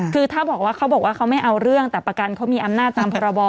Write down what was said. คือถ้าบอกว่าเขาบอกว่าเขาไม่เอาเรื่องแต่ประกันเขามีอำนาจตามพรบ